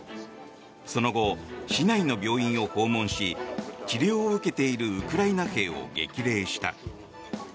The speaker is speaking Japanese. その後、市内の病院を訪問し治療を受けているウクライナ兵を激励した。